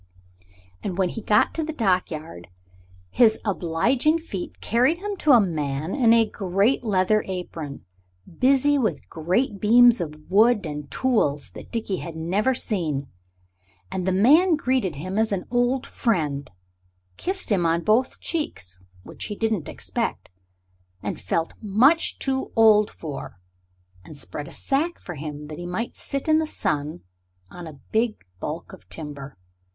And when he got to the dockyard his obliging feet carried him to a man in a great leather apron, busy with great beams of wood and tools that Dickie had never seen. And the man greeted him as an old friend, kissed him on both cheeks which he didn't expect, and felt much too old for and spread a sack for him that he might sit in the sun on a big baulk of timber.